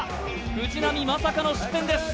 藤波まさかの失点です